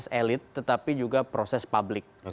ini bukan hanya proses elit tetapi juga proses publik